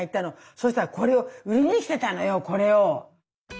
そしたらこれを売りに来てたのよこれを。